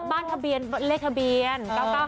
บ้านทะเบียนเลขทะเบียน๙๙๕๘